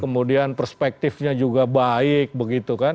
kemudian perspektifnya juga baik begitu kan